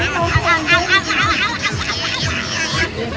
กลับมานี่ร้องเพลง